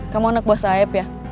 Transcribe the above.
kamu anak bos aeb ya